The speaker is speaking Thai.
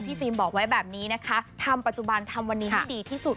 พี่ฟิล์มบอกว่าให้แบบนี้นะคะทำปัจจุบันทำวันนี้อย่าดีที่สุด